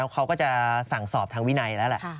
เขาก็จะสั่งสอบทางวินัยแล้วแหละ